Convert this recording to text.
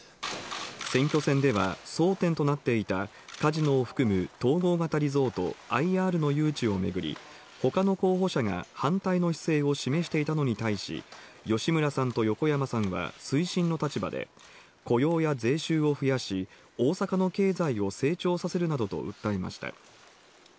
選挙戦では、争点となっていたカジノを含む統合型リゾート・ＩＲの誘致を巡り、ほかの候補者が反対の姿勢を示していたのに対し、吉村さんと横山さんは推進の立場で、雇用や税収を増やし、大阪の経済を成長させるなどと訴えました。